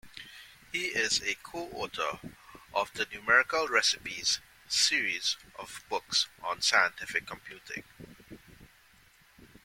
He is a coauthor of the Numerical Recipes series of books on scientific computing.